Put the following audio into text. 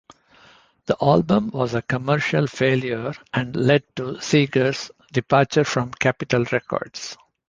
The album was a commercial failure and led to Seger's departure from Capitol Records.